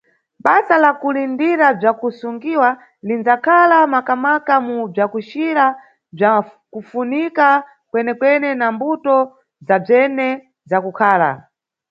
Basa la kulindira bzwakusungiwa linʼdzakhala makamaka mu bzwakucira bzwa kufunika kwenekwene na mbuto zabzwene za kukhala.